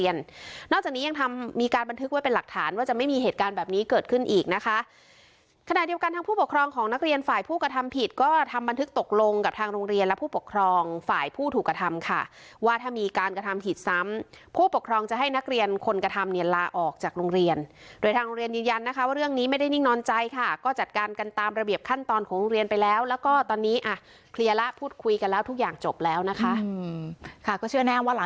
อีกนะคะขนาดเดียวกันทางผู้ปกครองของนักเรียนฝ่ายผู้กระทำผิดก็ทำบันทึกตกลงกับทางโรงเรียนและผู้ปกครองฝ่ายผู้ถูกกระทำค่ะว่าถ้ามีการกระทำผิดซ้ำผู้ปกครองจะให้นักเรียนคนกระทำเนียนลาออกจากโรงเรียนโดยทางโรงเรียนยืนยันนะคะว่าเรื่องนี้ไม่ได้นิ่งนอนใจค่ะก็จัดการกันตามระเบียบขั้นตอนของเรียนไปแล้